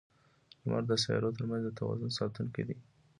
لمر د سیارو ترمنځ د توازن ساتونکی دی.